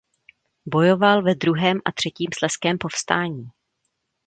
Bojoval ve druhém a třetím slezském povstání.